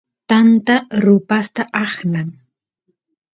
tanta rupasqa aqnan